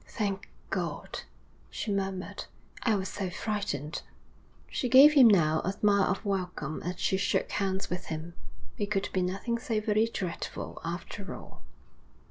'Thank God,' she murmured. 'I was so frightened.' She gave him, now, a smile of welcome as she shook hands with him. It could be nothing so very dreadful after all.